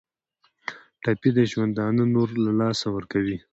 ټپي د ژوندانه نور له لاسه ورکوي.